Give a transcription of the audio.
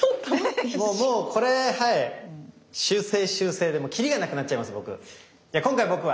もうこれ修正修正でもう切りがなくなっちゃいます僕。